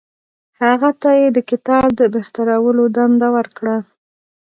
هغه ته یې د کتاب د بهترولو دنده ورکړه.